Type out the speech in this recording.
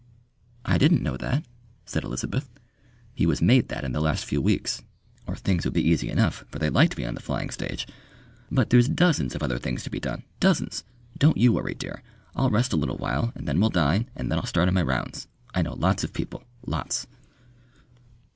"I didn't know that," said Elizabeth. "He was made that in the last few weeks ... or things would be easy enough, for they liked me on the flying stage. But there's dozens of other things to be done dozens. Don't you worry, dear. I'll rest a little while, and then we'll dine, and then I'll start on my rounds. I know lots of people lots."